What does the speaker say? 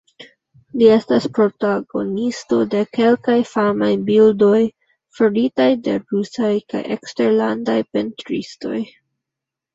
Li estas protagonisto de kelkaj famaj bildoj faritaj de rusaj kaj eksterlandaj pentristoj.